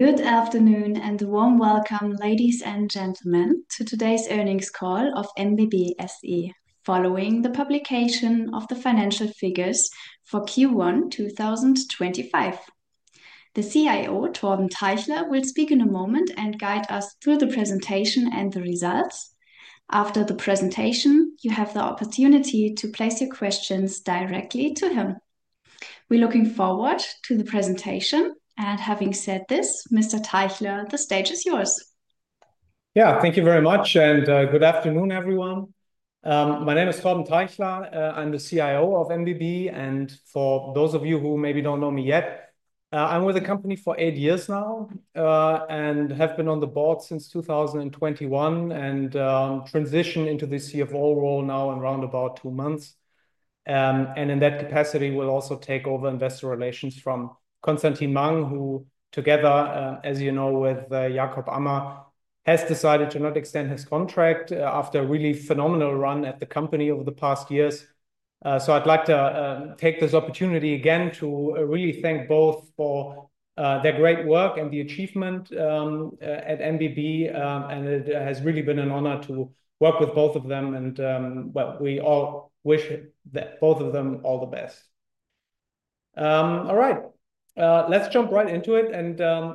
Good afternoon and warm welcome, ladies and gentlemen, to today's earnings call of MBB SE, following the publication of the financial figures for Q1 2025. The CIO, Torben Teichler, will speak in a moment and guide us through the presentation and the results. After the presentation, you have the opportunity to place your questions directly to him. We are looking forward to the presentation. Having said this, Mr. Teichler, the stage is yours. Yeah, thank you very much and good afternoon, everyone. My name is Torben Teichler. I'm the CIO of MBB, and for those of you who maybe don't know me yet, I'm with the company for eight years now and have been on the board since 2021 and transitioned into the CFO role now in around about two months. In that capacity, I'll also take over investor relations from Constantin Mang, who together, as you know, with Jakob Ammer, has decided to not extend his contract after a really phenomenal run at the company over the past years. I'd like to take this opportunity again to really thank both for their great work and the achievement at MBB. It has really been an honor to work with both of them. We all wish both of them all the best. All right, let's jump right into it.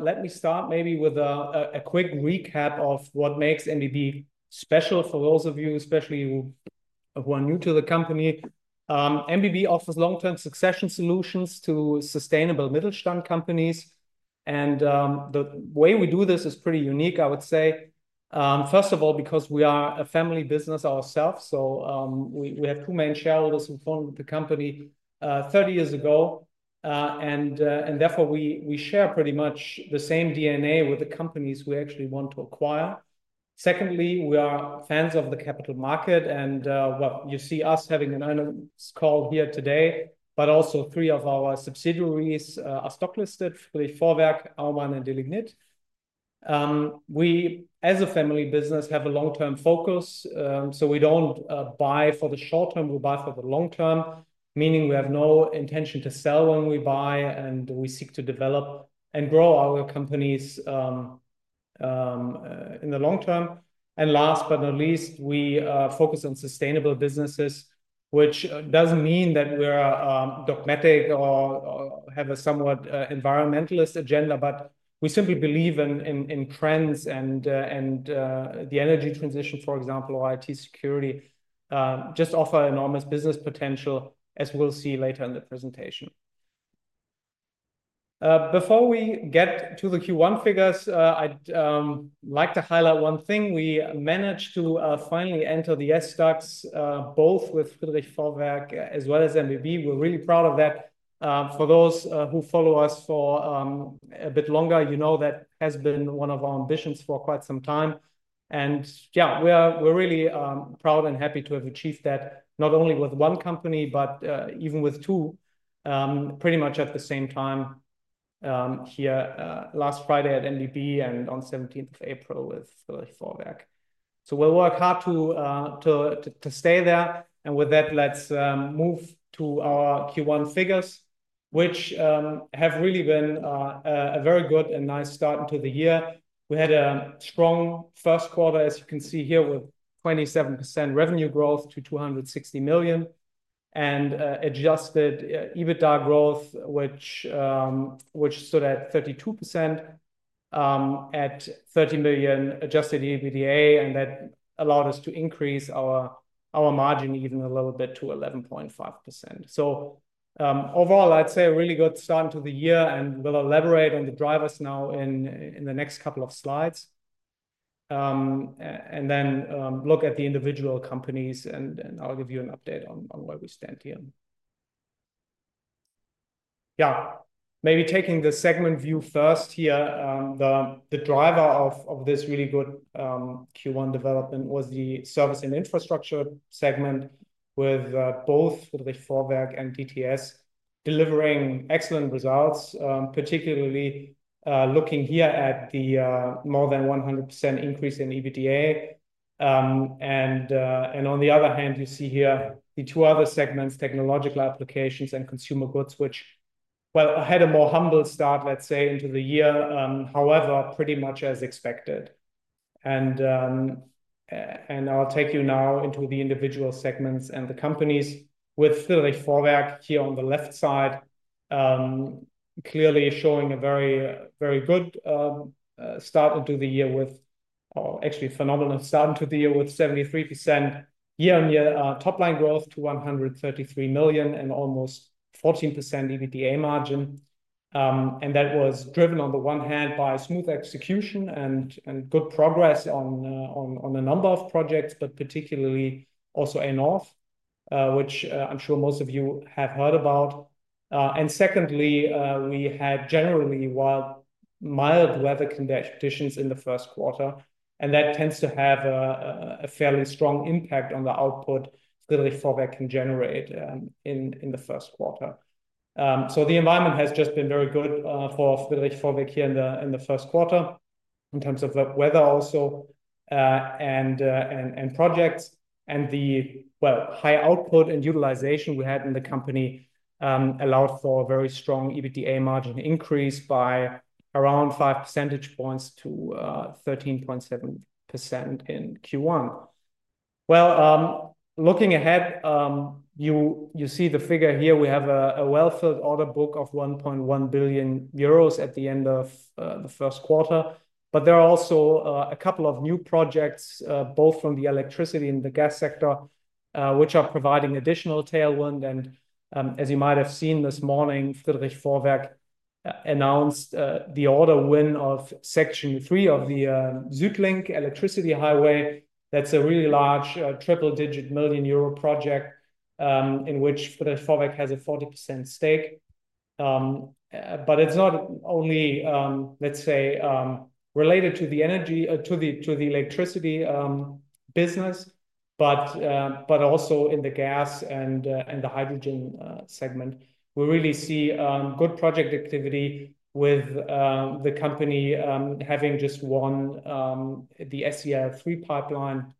Let me start maybe with a quick recap of what makes MBB special for those of you, especially who are new to the company. MBB offers long-term succession solutions to sustainable Mittelstand companies. The way we do this is pretty unique, I would say. First of all, because we are a family business ourselves, we have two main shareholders who formed the company 30 years ago. Therefore, we share pretty much the same DNA with the companies we actually want to acquire. Secondly, we are fans of the capital market. You see us having an earnings call here today, but also three of our subsidiaries are stocklisted: Friedrich Vorwerk, Aumann, and Delignit. We, as a family business, have a long-term focus. We do not buy for the short term; we buy for the long term, meaning we have no intention to sell when we buy, and we seek to develop and grow our companies in the long term. Last but not least, we focus on sustainable businesses, which does not mean that we are dogmatic or have a somewhat environmentalist agenda, but we simply believe in trends and the energy transition, for example, or IT security just offers enormous business potential, as we will see later in the presentation. Before we get to the Q1 figures, I would like to highlight one thing. We managed to finally enter the SDAX, both with Friedrich Vorwerk as well as MBB. We are really proud of that. For those who follow us for a bit longer, you know that has been one of our ambitions for quite some time. Yeah, we're really proud and happy to have achieved that not only with one company, but even with two, pretty much at the same time here last Friday at MBB and on 17th of April with Vorwerk. We'll work hard to stay there. With that, let's move to our Q1 figures, which have really been a very good and nice start into the year. We had a strong first quarter, as you can see here, with 27% revenue growth to 260 million and adjusted EBITDA growth, which stood at 32% at 30 million adjusted EBITDA, and that allowed us to increase our margin even a little bit to 11.5%. Overall, I'd say a really good start into the year, and we'll elaborate on the drivers now in the next couple of slides. If you look at the individual companies, and I'll give you an update on where we stand here. Yeah, maybe taking the segment view first here, the driver of this really good Q1 development was the service and infrastructure segment, with both Friedrich Vorwerk and DTS delivering excellent results, particularly looking here at the more than 100% increase in EBITDA. On the other hand, you see here the two other segments, technological applications and consumer goods, which, well, had a more humble start, let's say, into the year, however, pretty much as expected. I'll take you now into the individual segments and the companies with Friedrich Vorwerk here on the left side, clearly showing a very, very good start into the year with, or actually phenomenal start into the year with 73% year-on-year top-line growth to 133 million and almost 14% EBITDA margin. That was driven on the one hand by smooth execution and good progress on a number of projects, but particularly also ANOF, which I'm sure most of you have heard about. Secondly, we had generally mild weather conditions in the first quarter, and that tends to have a fairly strong impact on the output Friedrich Vorwerk can generate in the first quarter. The environment has just been very good for Friedrich Vorwerk here in the first quarter in terms of weather also and projects. The high output and utilization we had in the company allowed for a very strong EBITDA margin increase by around five percentage points to 13.7% in Q1. Looking ahead, you see the figure here. We have a well-filled order book of 1.1 billion euros at the end of the first quarter. There are also a couple of new projects, both from the electricity and the gas sector, which are providing additional tailwind. As you might have seen this morning, Friedrich Vorwerk announced the order win of section three of the Südlink electricity highway. That is a really large triple-digit million EUR project in which Friedrich Vorwerk has a 40% stake. It is not only, let's say, related to the electricity business, but also in the gas and the hydrogen segment. We really see good project activity with the company having just won the SER3 pipeline,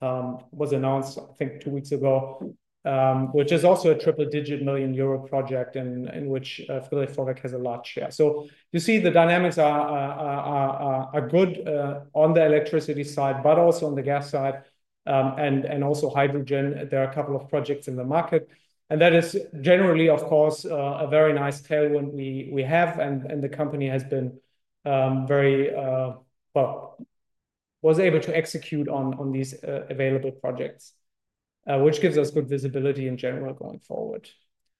which was announced, I think, two weeks ago, which is also a triple-digit million EUR project in which Friedrich Vorwerk has a large share. You see the dynamics are good on the electricity side, but also on the gas side and also hydrogen. There are a couple of projects in the market. That is generally, of course, a very nice tailwind we have. The company has been very, well, was able to execute on these available projects, which gives us good visibility in general going forward.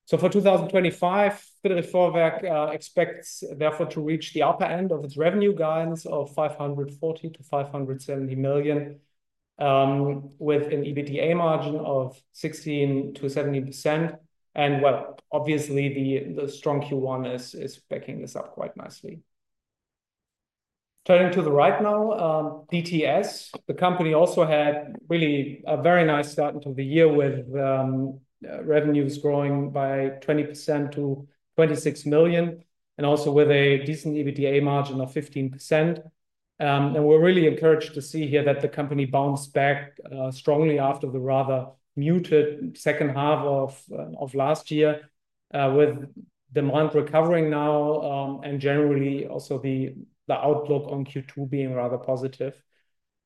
For 2025, Friedrich Vorwerk expects therefore to reach the upper end of its revenue guidance of 540 million-570 million with an EBITDA margin of 16%-17%. Obviously, the strong Q1 is backing this up quite nicely. Turning to DTS, the company also had really a very nice start into the year with revenues growing by 20% to 26 million and also with a decent EBITDA margin of 15%. We are really encouraged to see here that the company bounced back strongly after the rather muted second half of last year with demand recovering now and generally also the outlook on Q2 being rather positive.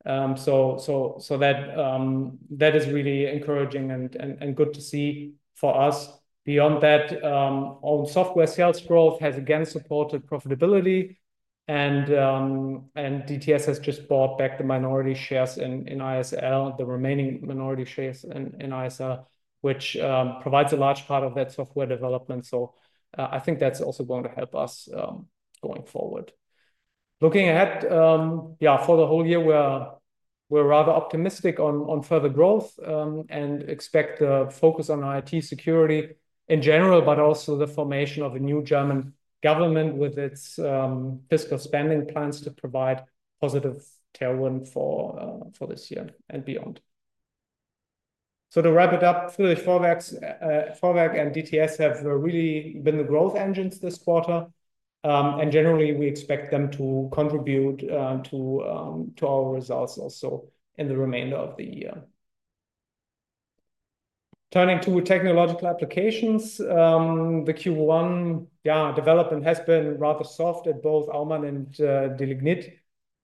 That is really encouraging and good to see for us. Beyond that, own software sales growth has again supported profitability. DTS has just bought back the minority shares in ISL, the remaining minority shares in ISL, which provides a large part of that software development. I think that's also going to help us going forward. Looking ahead, yeah, for the whole year, we're rather optimistic on further growth and expect the focus on IT security in general, but also the formation of a new German government with its fiscal spending plans to provide positive tailwind for this year and beyond. To wrap it up, Friedrich Vorwerk and DTS have really been the growth engines this quarter. Generally, we expect them to contribute to our results also in the remainder of the year. Turning to technological applications, the Q1, yeah, development has been rather soft at both Aumann and Delignit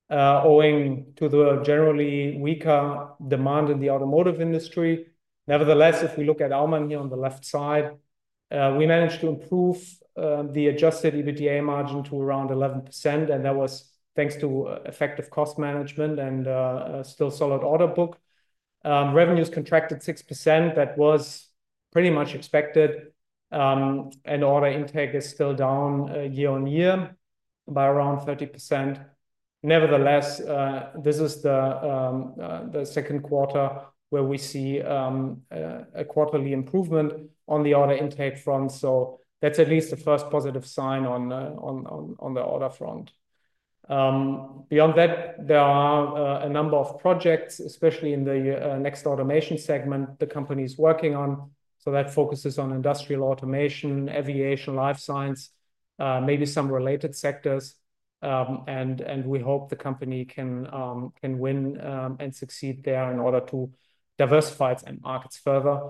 owing to the generally weaker demand in the automotive industry. Nevertheless, if we look at Aumann here on the left side, we managed to improve the adjusted EBITDA margin to around 11%. That was thanks to effective cost management and still solid order book. Revenues contracted 6%. That was pretty much expected. Order intake is still down year-on-year by around 30%. Nevertheless, this is the second quarter where we see a quarterly improvement on the order intake front. That is at least the first positive sign on the order front. Beyond that, there are a number of projects, especially in the next automation segment the company is working on. That focuses on industrial automation, aviation, life science, maybe some related sectors. We hope the company can win and succeed there in order to diversify its markets further.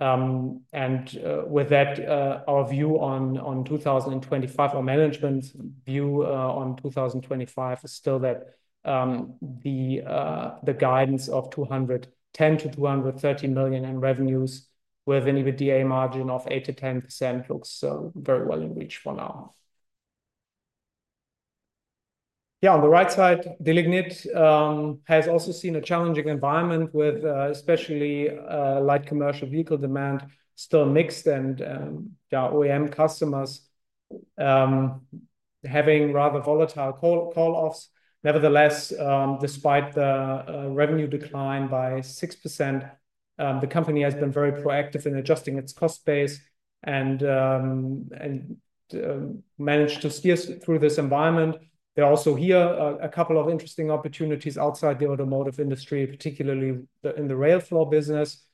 With that, our view on 2025, our management view on 2025 is still that the guidance of 210 million-230 million in revenues with an EBITDA margin of 8%-10% looks very well in reach for now. On the right side, Delignit has also seen a challenging environment with especially light commercial vehicle demand still mixed and OEM customers having rather volatile call-offs. Nevertheless, despite the revenue decline by 6%, the company has been very proactive in adjusting its cost base and managed to steer through this environment. There are also here a couple of interesting opportunities outside the automotive industry, particularly in the rail floor business.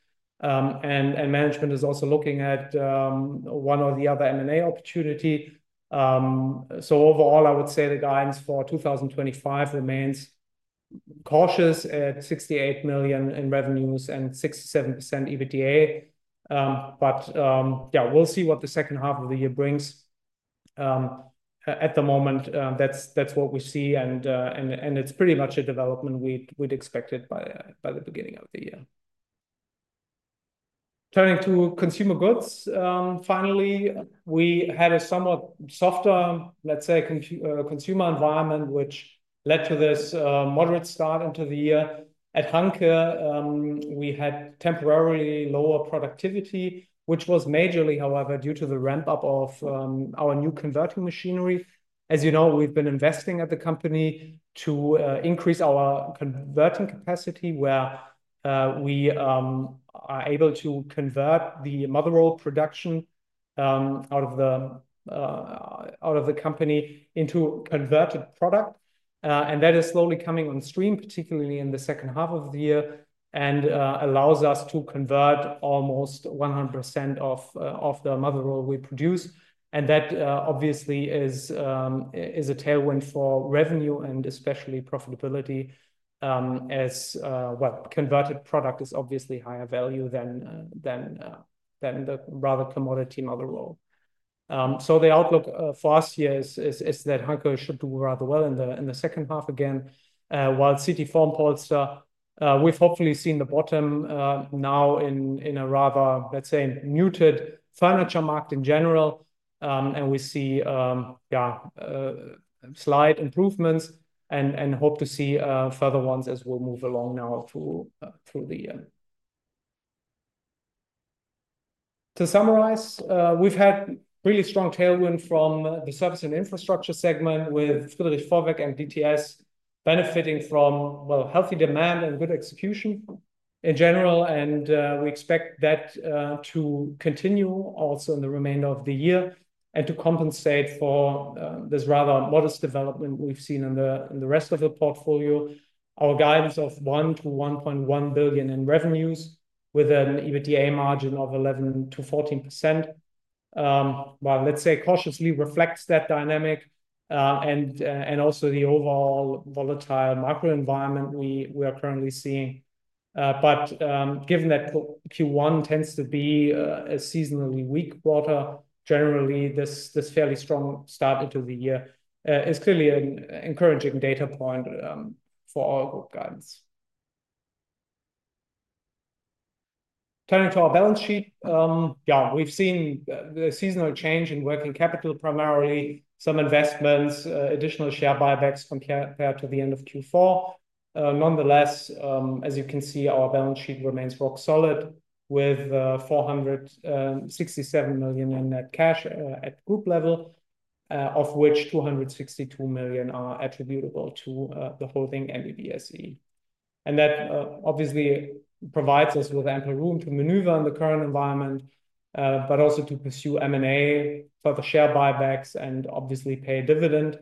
Management is also looking at one or the other M&A opportunity. Overall, I would say the guidance for 2025 remains cautious at 68 million in revenues and 6%-7% EBITDA. Yeah, we'll see what the second half of the year brings. At the moment, that's what we see. It's pretty much a development we'd expected by the beginning of the year. Turning to consumer goods, finally, we had a somewhat softer, let's say, consumer environment, which led to this moderate start into the year. At Hunke, we had temporarily lower productivity, which was majorly, however, due to the ramp-up of our new converting machinery. As you know, we've been investing at the company to increase our converting capacity, where we are able to convert the mother roll production out of the company into converted product. That is slowly coming on stream, particularly in the second half of the year, and allows us to convert almost 100% of the mother roll we produce. That obviously is a tailwind for revenue and especially profitability as, well, converted product is obviously higher value than the rather commodity mother roll. The outlook for us here is that Hunke should do rather well in the second half again, while CT Formpolster, we've hopefully seen the bottom now in a rather, let's say, muted furniture market in general. We see slight improvements and hope to see further ones as we move along now through the year. To summarize, we've had really strong tailwind from the service and infrastructure segment with Friedrich Vorwerk and DTS benefiting from, well, healthy demand and good execution in general. We expect that to continue also in the remainder of the year and to compensate for this rather modest development we have seen in the rest of the portfolio. Our guidance of 1 billion-1.1 billion in revenues with an EBITDA margin of 11%-14%, let's say, cautiously reflects that dynamic and also the overall volatile macro environment we are currently seeing. Given that Q1 tends to be a seasonally weak quarter, generally, this fairly strong start into the year is clearly an encouraging data point for our guidance. Turning to our balance sheet, we have seen a seasonal change in working capital, primarily some investments, additional share buybacks compared to the end of Q4. Nonetheless, as you can see, our balance sheet remains rock solid with 467 million in net cash at group level, of which 262 million are attributable to the holding MBB SE. That obviously provides us with ample room to maneuver in the current environment, but also to pursue M&A for the share buybacks and obviously pay a dividend.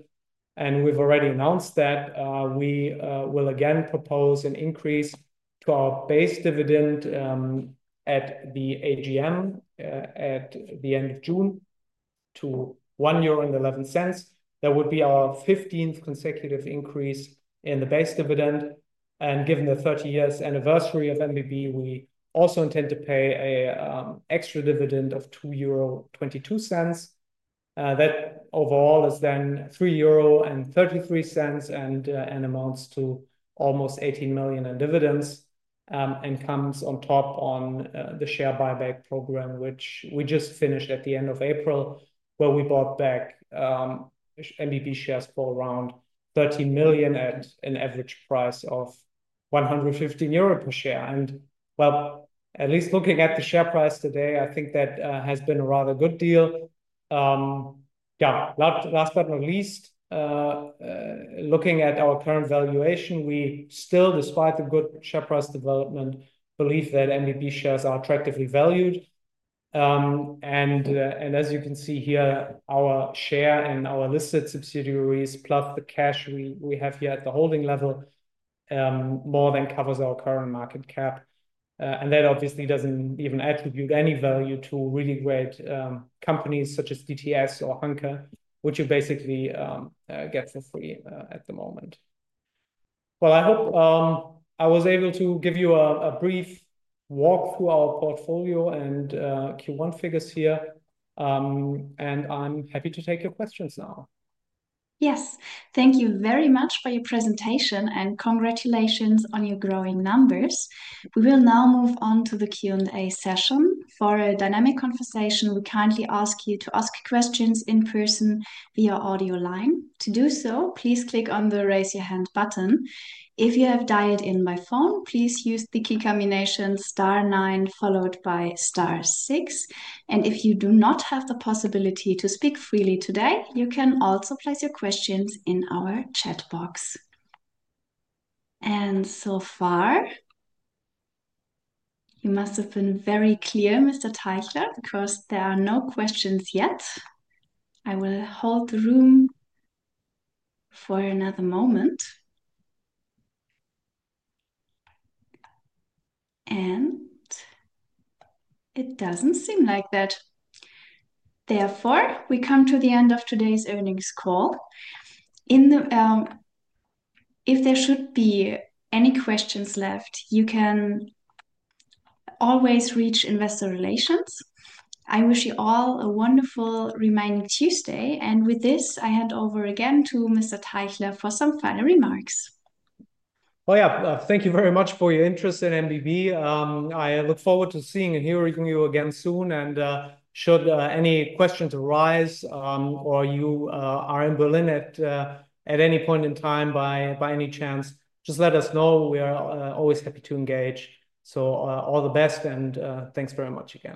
We have already announced that we will again propose an increase to our base dividend at the AGM at the end of June to 1.11 euro. That would be our 15th consecutive increase in the base dividend. Given the 30 years anniversary of MBB, we also intend to pay an extra dividend of 2.22 euro. That overall is then 3.33 euro and amounts to almost 18 million in dividends and comes on top of the share buyback program, which we just finished at the end of April, where we bought back MBB shares for around 13 million at an average price of 115 euro per share. At least looking at the share price today, I think that has been a rather good deal. Last but not least, looking at our current valuation, we still, despite the good share price development, believe that MBB shares are attractively valued. As you can see here, our share and our listed subsidiaries plus the cash we have here at the holding level more than covers our current market cap. That obviously does not even attribute any value to really great companies such as DTS or Hunke, which you basically get for free at the moment. I hope I was able to give you a brief walk through our portfolio and Q1 figures here. I am happy to take your questions now. Yes, thank you very much for your presentation and congratulations on your growing numbers. We will now move on to the Q&A session. For a dynamic conversation, we kindly ask you to ask questions in person via audio line. To do so, please click on the raise your hand button. If you have dialed in by phone, please use the key combination star nine followed by star six. If you do not have the possibility to speak freely today, you can also place your questions in our chat box. So far, you must have been very clear, Mr. Teichler, because there are no questions yet. I will hold the room for another moment. It does not seem like that. Therefore, we come to the end of today's earnings call. If there should be any questions left, you can always reach investor relations. I wish you all a wonderful remaining Tuesday. With this, I hand over again to Mr. Teichler for some final remarks. Thank you very much for your interest in MBB. I look forward to seeing and hearing you again soon. Should any questions arise or you are in Berlin at any point in time, by any chance, just let us know. We are always happy to engage. All the best and thanks very much again.